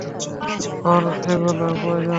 ওর এগুলো প্রয়োজন।